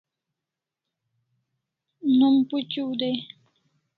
Nom phuchiu dai